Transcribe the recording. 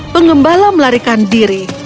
pengembala melarikan diri